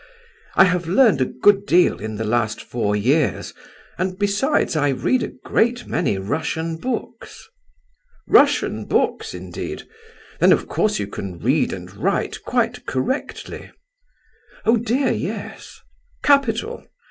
I have learned a good deal in the last four years, and, besides, I read a great many Russian books." "Russian books, indeed? Then, of course, you can read and write quite correctly?" "Oh dear, yes!" "Capital!